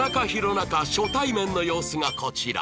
中初対面の様子がこちら